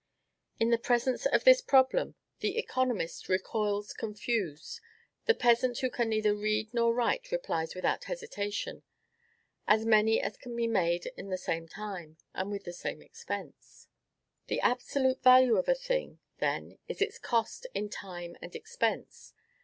In the presence of this problem, the economist recoils confused; the peasant who can neither read nor write replies without hesitation: "As many as can be made in the same time, and with the same expense." The absolute value of a thing, then, is its cost in time and expense.